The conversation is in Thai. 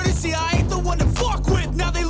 อ้าวา